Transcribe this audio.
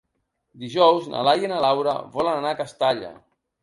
Dijous na Laia i na Laura volen anar a Castalla.